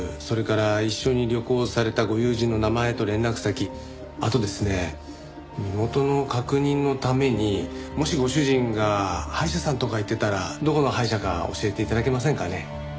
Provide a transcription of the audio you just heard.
それから一緒に旅行されたご友人の名前と連絡先あとですね身元の確認のためにもしご主人が歯医者さんとか行ってたらどこの歯医者か教えて頂けませんかね？